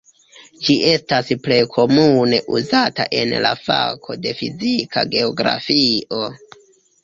Ĝi estas plej komune uzata en la fako de fizika geografio.